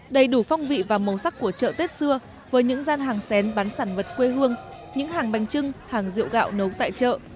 đầy đủ phong vị và màu sắc của chợ tết xưa với những gian hàng xén bán sản vật quê hương những hàng bánh trưng hàng rượu gạo nấu tại chợ